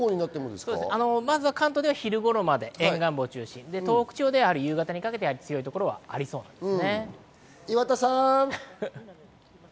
関東では昼頃まで沿岸部を中心に東北では夕方にかけて強いところがありそうです。